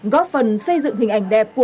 góp phần xây dựng hình ảnh đẹp